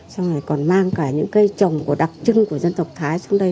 xong rồi còn mang cả những cây trồng của đặc trưng của dân tộc thái xuống đây